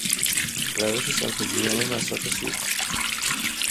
روش صرفه جویانه مصرف سوخت